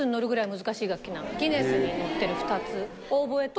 『ギネス』に載ってる２つ。